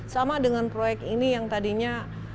sama dengan proyek ini yang tadinya